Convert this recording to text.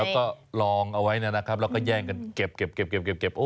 แล้วก็ลองเอาไว้นะครับแล้วก็แย่งกันเก็บ